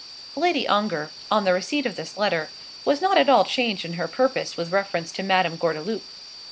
Lady Ongar, on the receipt of this letter, was not at all changed in her purpose with reference to Madame Gordeloup.